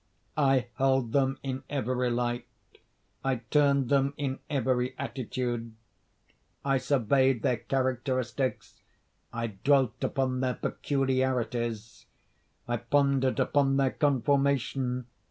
I held them in every light. I turned them in every attitude. I surveyed their characteristics. I dwelt upon their peculiarities. I pondered upon their conformation.